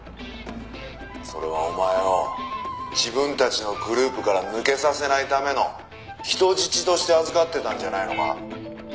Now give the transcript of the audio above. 「それはお前を自分たちのグループから抜けさせないための人質として預かってたんじゃないのか？」